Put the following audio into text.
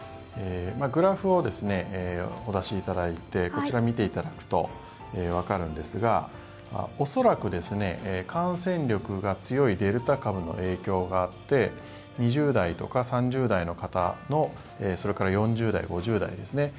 グラフをお出しいただいてこちらを見ていただくとわかるんですが恐らく感染力が強いデルタ株の影響があって２０代とか３０代の方それから４０代、５０代ですね